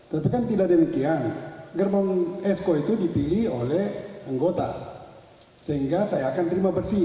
tapi kan tidak demikian gerbong esko itu dipilih oleh anggota sehingga saya akan terima bersih